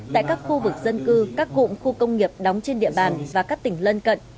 tại các khu vực dân cư các cụm khu công nghiệp đóng trên địa bàn và các tỉnh lân cận